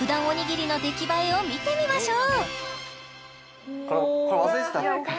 おにぎりの出来栄えを見てみましょう！